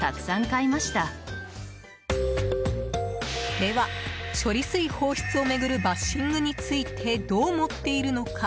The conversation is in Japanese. では、処理水放出を巡るバッシングについてどう思っているのか？